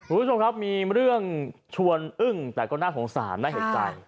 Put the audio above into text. คุณผู้ชมครับมีเรื่องชวนอึ้งแต่ก็น่าสงสารน่าเห็นใจ